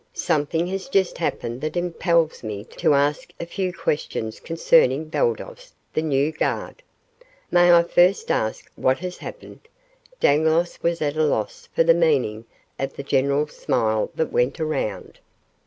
"Something has just happened that impels me to ask a few questions concerning Baldos, the new guard." "May I first ask what has happened?" Dangloss was at a loss for the meaning of the general smile that went around.